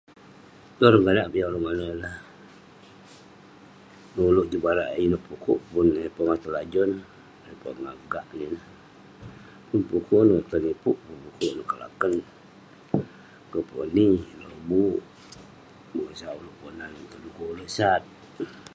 Bareng konak piak ulouk manouk eh lah, pun ulouk juk barak inouk pukuk, pongah telajon..pongah gak neh ineh..pun pukuk neh tenipuk, pun pukuk neh kelakern..komponi, lobuk, bengosak ulouk ponan..dukuk ulouk sat..